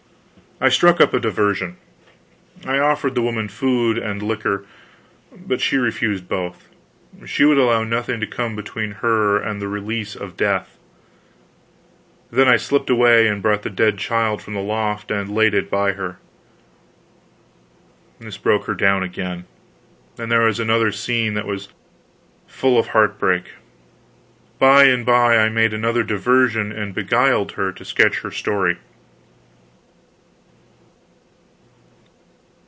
I struck up a diversion. I offered the woman food and liquor, but she refused both. She would allow nothing to come between her and the release of death. Then I slipped away and brought the dead child from aloft, and laid it by her. This broke her down again, and there was another scene that was full of heartbreak. By and by I made another diversion, and beguiled her to sketch her story.